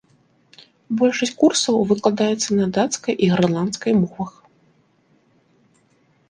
Большасць курсаў выкладаецца на дацкай і грэнландскай мовах.